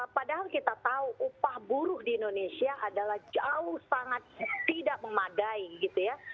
padahal kita tahu upah buruh di indonesia adalah jauh sangat tidak memadai gitu ya